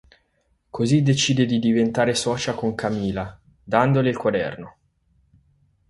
Così decide di diventare socia con Camila dandole il quaderno.